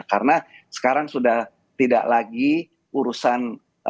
karena sekarang sudah tidak lagi urusan